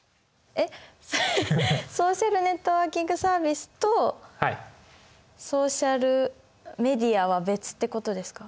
えっソーシャルネットワーキングサービスとソーシャルメディアは別ってことですか。